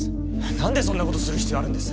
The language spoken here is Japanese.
何でそんなことする必要あるんです？